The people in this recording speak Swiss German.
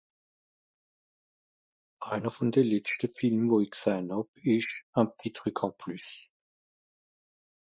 "einer von de letschte Film wo i gsähn hàb isch ""Un petit truc en plus"""